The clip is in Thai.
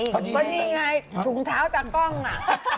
ก็นี่ไงถุงเท้าตากล้องอ่ะ